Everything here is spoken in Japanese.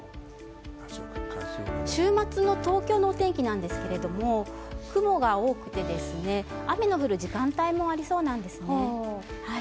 週末の東京のお天気なんですが雲が多くて、雨の降る時間帯もありそうなんですね。